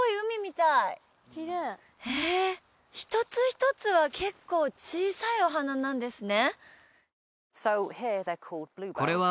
へえ一つ一つは結構小さいお花なんですね